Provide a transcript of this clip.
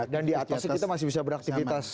dan di atas itu kita masih bisa beraktifitas